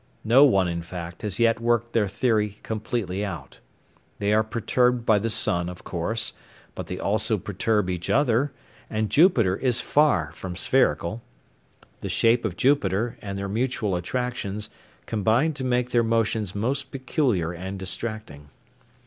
No one, in fact, has yet worked their theory completely out. They are perturbed by the sun, of course, but they also perturb each other, and Jupiter is far from spherical. The shape of Jupiter, and their mutual attractions, combine to make their motions most peculiar and distracting.